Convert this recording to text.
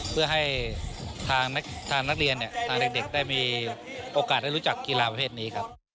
เพื่อให้ทางนักเรียนทางเด็กได้มีโอกาสได้รู้จักกีฬาประเภทนี้ครับ